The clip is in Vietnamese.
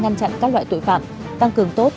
ngăn chặn các loại tội phạm tăng cường tốt